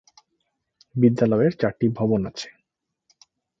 বিদ্যালয়ের চারটি ভবন আছে।